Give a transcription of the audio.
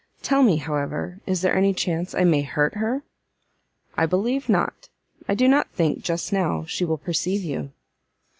tell me, however, is there any chance I may hurt her?" "I believe not; I do not think, just now, she will perceive you."